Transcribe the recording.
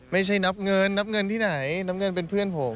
ไม่ใช่นับเงินนับเงินที่ไหนน้ำเงินเป็นเพื่อนผม